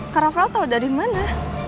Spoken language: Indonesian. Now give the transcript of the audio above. kak rafael tau dari mana